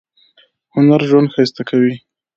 هنر ژوند ښایسته کوي